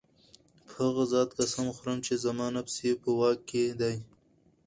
په هغه ذات قسم خورم چي زما نفس ئي په واك كي دی